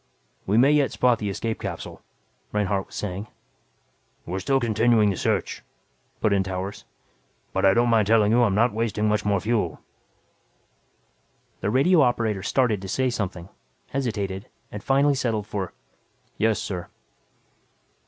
"We may yet spot the escape capsule," Reinhardt was saying. "We're still continuing the search," put in Towers. "But I don't mind telling you I'm not wasting much more fuel." The radio operator started to say something, hesitated and finally settled for, "yes, sir."